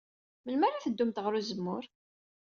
Melmi ara teddumt ɣer uzemmur?